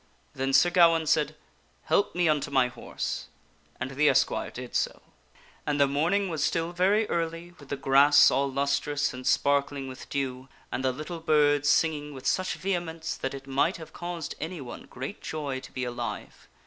Then Sir Gawaine said, " Help me unto my horse," and the esquire did so. And the morn ing was still very early, with the grass all lustrous and sparkling with dew, and the little birds singing with such vehemence that it might have caused anyone great joy to be alive.